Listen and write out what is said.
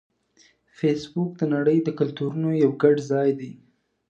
فېسبوک د نړۍ د کلتورونو یو ګډ ځای دی